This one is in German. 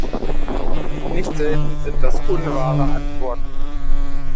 Nicht selten sind das unwahre Antworten.